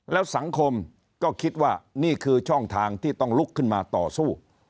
แล้วสังคมก็คิดว่านี่คือช่องทางที่ต้องลุกขึ้นมาต่อสู้